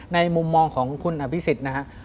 ในมุมมองของคุณอภิษฎินะครับ